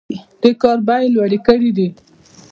دې کار بیې لوړې کړي دي.